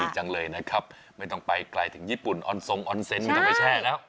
โหดีจังเลยนะครับไม่ต้องไปไกลถึงญี่ปุ่นออนซงออนเซนต์ไม่ต้องไปแช่นะครับ